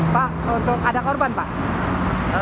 pak untuk ada korban pak